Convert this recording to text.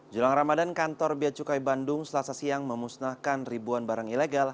jelang ramadan kantor bia cukai bandung selasa siang memusnahkan ribuan barang ilegal